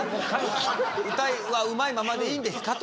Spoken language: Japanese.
歌はうまいままでいいんですか？と。